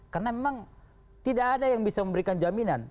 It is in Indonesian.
karena memang tidak ada yang bisa memberikan jaminan